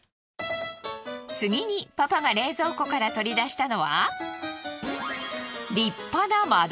次にパパが冷蔵庫から取り出したのは立派な真鯛。